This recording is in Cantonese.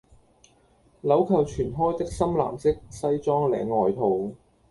鈕扣全開的深藍色西裝領外套